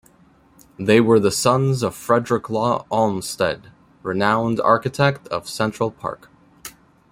They were the sons of Frederick Law Olmsted, renowned architect of Central Park.